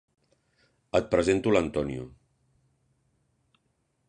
Et presento l'Antonio.